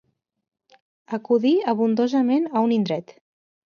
Acudí abundosament a un indret.